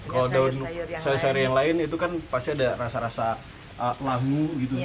kalau daun sayur sayur yang lain itu kan pasti ada rasa rasa lau gitu